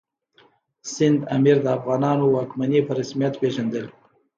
سند امیر د افغانانو واکمني په رسمیت پېژندل.